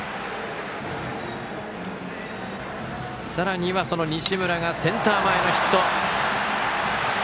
さらには、その西村がセンター前のヒット。